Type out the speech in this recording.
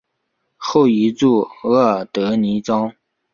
后移驻额尔德尼召。